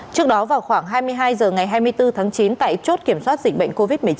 trước đó vào khoảng hai mươi hai h ngày hai mươi bốn tháng chín tại chốt kiểm soát dịch bệnh covid một mươi chín